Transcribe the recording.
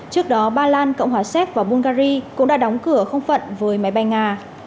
trước đó ba lan cộng hòa czech và bulgari cũng đã đóng cửa không phận với máy bay nga